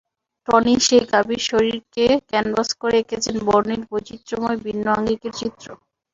Tony সেই গাভির শরীরকে ক্যানভাস করে এঁকেছেন বর্ণিল বৈচিত্র্যময় ভিন্ন আঙ্গিকের চিত্র।